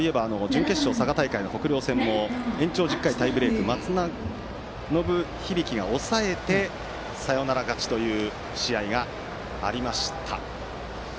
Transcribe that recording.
佐賀大会準決勝の北稜戦も延長１０回タイブレークで松延響が抑えてサヨナラ勝ちという試合がありました。